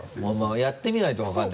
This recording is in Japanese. やってみないと分かんないわ。